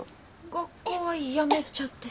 学校は辞めちゃってさ。